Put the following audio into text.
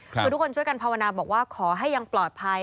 คือทุกคนช่วยกันภาวนาบอกว่าขอให้ยังปลอดภัย